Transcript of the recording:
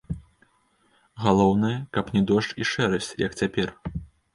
Галоўнае, каб не дождж і шэрасць, як цяпер.